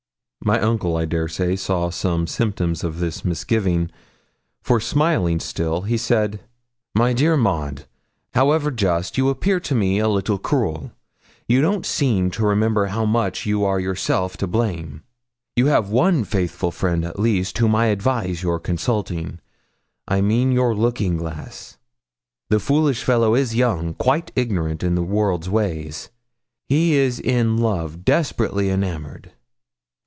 My uncle, I dare say, saw some symptoms of this misgiving, for, smiling still, he said 'My dear Maud, however just, you appear to me a little cruel; you don't seem to remember how much you are yourself to blame; you have one faithful friend at least, whom I advise your consulting I mean your looking glass. The foolish fellow is young, quite ignorant in the world's ways. He is in love desperately enamoured.